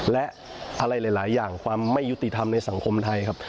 และอะไรหลายอย่างความไม่ยุติธรรมในสังคมไทยครับ